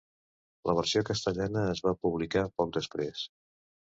La versió castellana es va publicar poc després.